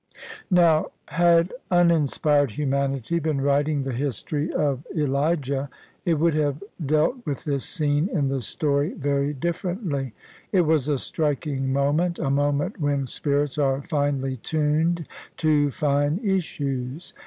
Now, had uninspired humanity been writing the history of OF ISABEL CARNABY Elijah, it would have dealt with this scene in the story very di£Eerently. It was a striking moment; a moment when spirits are finely tuned to fine issues.